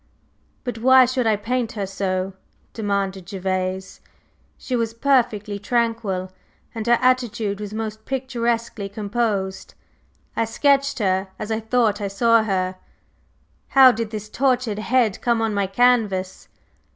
"But why should I paint her so?" demanded Gervase. "She was perfectly tranquil; and her attitude was most picturesquely composed. I sketched her as I thought I saw her, how did this tortured head come on my canvas?"